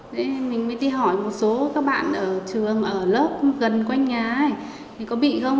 thế thì mình mới đi hỏi một số các bạn ở trường ở lớp gần quanh nhà thì có bị không